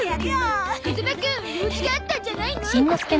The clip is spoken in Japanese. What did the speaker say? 風間くん用事があったんじゃないの？